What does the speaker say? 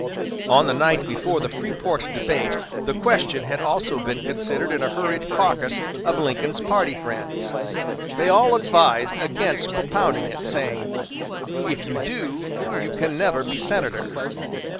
On the night before the Freeport debate the question had also been considered in a hurried caucus of Lincoln's party friends. They all advised against propounding it, saying, "If you do, you can never be senator."